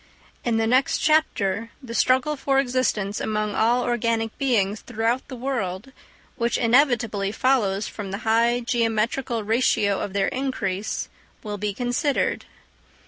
In the next chapter the struggle for existence among all organic beings throughout the world, which inevitably follows from the high geometrical ratio of their increase, will be considered.